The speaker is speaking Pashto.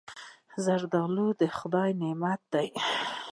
زردالو د خدای نعمت دی.